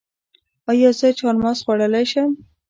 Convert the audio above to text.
ایا زه چهارمغز خوړلی شم؟